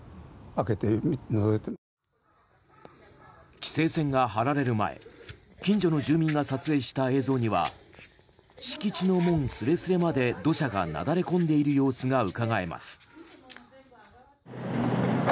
規制線が張られる前近所の住民が撮影した映像には敷地の門すれすれまで土砂が流れ込んでいる様子がうかがえます。